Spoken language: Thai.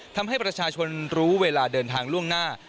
ทำให้ประชาชนรู้เวลาเดินทางล่วงหน้า